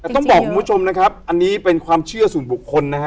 แต่ต้องบอกคุณผู้ชมนะครับอันนี้เป็นความเชื่อส่วนบุคคลนะฮะ